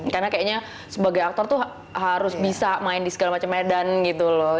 karena kayaknya sebagai aktor tuh harus bisa main di segala macam medan gitu loh